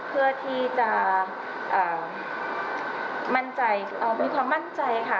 เพื่อที่จะมั่นใจมีความมั่นใจค่ะ